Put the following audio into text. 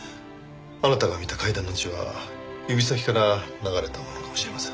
あなたが見た階段の血は指先から流れたものかもしれません。